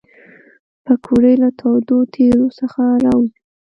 پکورې له تودو تیلو څخه راوزي